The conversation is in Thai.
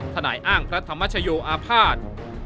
นายอ้างพระธรรมชโยอาภาษณ์